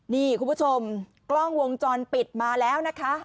นี่คุณผู้ชมกล้องวงจรปิดมาแล้วนะคะ